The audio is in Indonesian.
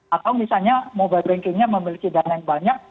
atau misalnya mobile bankingnya memiliki dana yang banyak